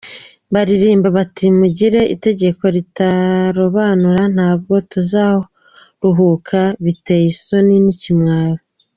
Baririmba bati “Mu gihe itegeko ritaratorwa, ntabwo tuzaruhuka, biteye isoni n’ ikimwaro.